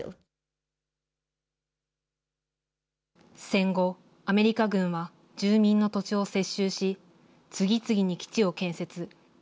戦後、アメリカ軍は住民の土地を接収し、次々に基地を建設。